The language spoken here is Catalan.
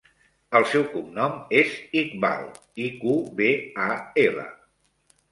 El seu cognom és Iqbal: i, cu, be, a, ela.